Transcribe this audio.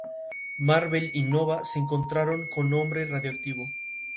Marvel y Nova se encontraron con Hombre Radioactivo.